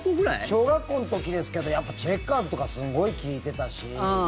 小学校の時ですけどやっぱり、チェッカーズとかすごい聴いてたし。